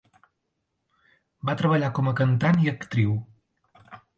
Va treballar com a cantant i actriu.